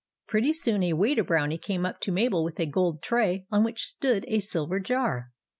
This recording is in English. Pretty soon a Waiter Brownie came up to Mabel with a gold tray on which stood a silver jar.